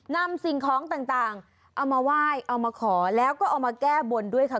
สิ่งของต่างเอามาไหว้เอามาขอแล้วก็เอามาแก้บนด้วยค่ะ